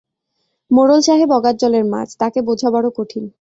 মােড়ল সাহেব অগাধ জলের মাছ, তাকে বােঝা বড় কঠিন।